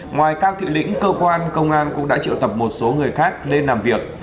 ngoài cao thị lĩnh cơ quan công an cũng đã triệu tập một số người khác lên làm việc